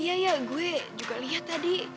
iya iya gue juga liat tadi